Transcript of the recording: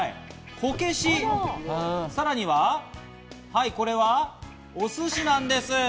こけし、さらには、これはお寿司なんです。